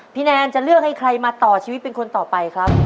แนนจะเลือกให้ใครมาต่อชีวิตเป็นคนต่อไปครับ